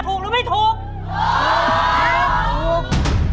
ถูกหรือไม่ถูก